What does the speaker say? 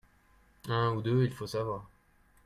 un ou deux il faut savoir.